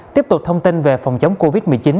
tiếp tục thông tin về phòng chống covid một mươi chín